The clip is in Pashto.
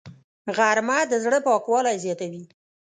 غرمه د زړه پاکوالی زیاتوي